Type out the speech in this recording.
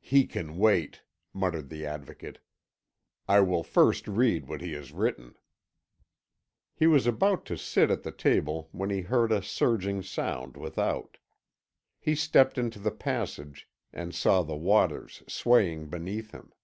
"He can wait," muttered the Advocate. "I will first read what he has written." He was about to sit at the table when he heard a surging sound without. He stepped into the passage, and saw the waters swaying beneath him.